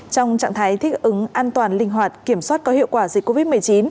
trong trạng thái thích ứng an toàn linh hoạt kiểm soát có hiệu quả dịch covid một mươi chín